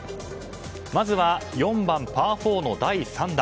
まずは４番、パー４の第３打。